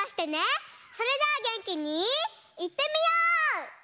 それじゃあげんきにいってみよう！